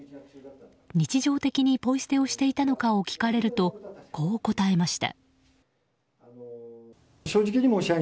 日常的にポイ捨てをしていたのかを聞かれるとこう答えました。